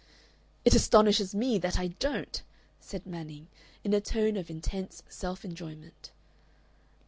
"It astonishes me that I don't," said Manning, in a tone of intense self enjoyment.